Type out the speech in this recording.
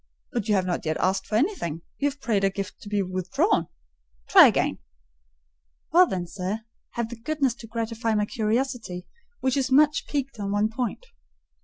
But you have not yet asked for anything; you have prayed a gift to be withdrawn: try again." "Well then, sir, have the goodness to gratify my curiosity, which is much piqued on one point."